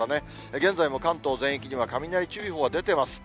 現在も関東全域には雷注意報が出ています。